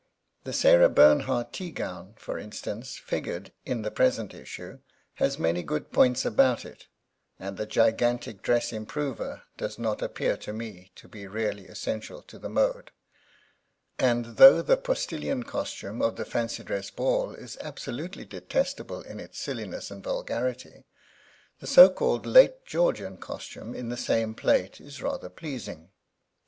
The Sarah Bernhardt tea gown, for instance, figured in the present issue, has many good points about it, and the gigantic dress improver does not appear to me to be really essential to the mode; and though the Postillion costume of the fancy dress ball is absolutely detestable in its silliness and vulgarity, the so called Late Georgian costume in the same plate is rather pleasing.